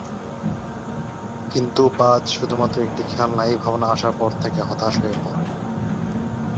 কিন্তু বাজ শুধুমাত্র একটি খেলনা এই ভাবনা আসার পর থেকে হতাশ হয়ে পরে।